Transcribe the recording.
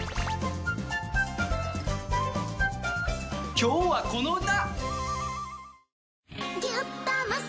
今日はこの歌！